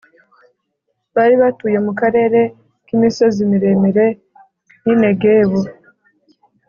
bari batuye mu karere k’imisozi miremire n’i Negebu